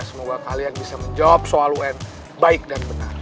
semoga kalian bisa menjawab soal un baik dan benar